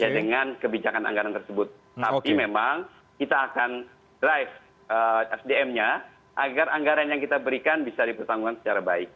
dengan kebijakan anggaran tersebut tapi memang kita akan drive sdm nya agar anggaran yang kita berikan bisa dipertanggungkan secara baik